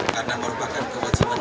karena merupakan kewajiban